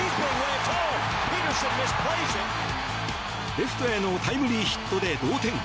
レフトへのタイムリーヒットで同点。